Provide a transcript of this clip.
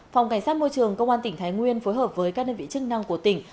phòng cảnh sát môi trường công an tỉnh thái nguyên phối hợp với các đơn vị chức năng của tỉnh